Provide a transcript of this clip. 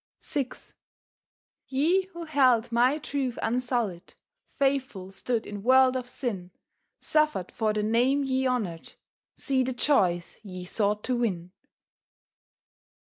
VI "Ye who held My truth unsullied, Faithful stood in world of sin, Suffered for the name ye honoured, See the joys ye sought to win.